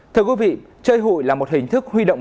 thưa quý vị chơi hụi là một hình thức huy động